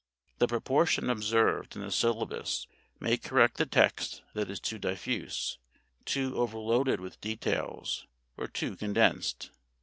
The proportion observed in the syllabus may correct the text that is too diffuse, too overloaded with details, or too condensed.